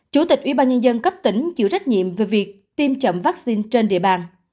chủ tịch ủy ban nhân dân các tỉnh chịu trách nhiệm về việc tiêm chậm vaccine trên địa bàn